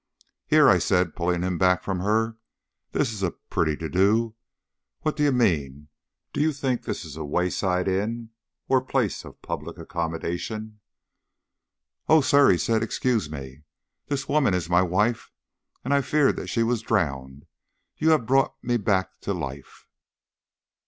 "Here!" I said, pulling him back from her. "This is a pretty to do! What do you mean? Do you think this is a wayside inn or place of public accommodation?" "Oh, sir," he said, "excuse me. This woman is my wife, and I feared that she was drowned. You have brought me back to life."